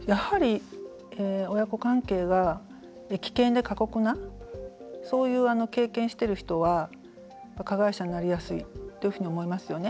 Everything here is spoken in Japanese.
親子関係が危険で過酷なそういう経験している人は加害者になりやすいと思いますよね。